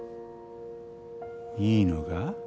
いいのか？